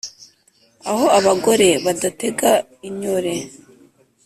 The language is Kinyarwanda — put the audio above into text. aho abagore badatega ignore